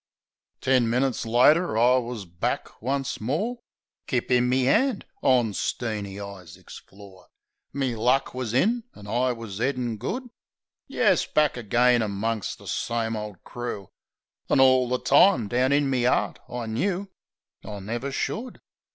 Ten minutes later I wus back once more. Kip in me 'and, on Steeny Isaacs' floor, Me luck wus in an' I wus 'eadin' good. Yes, back agen amongst the same ole crew! An' orl the time down in me 'eart I knew I never should